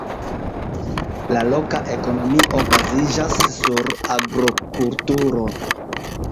La loka ekonomio baziĝas sur agrokulturo.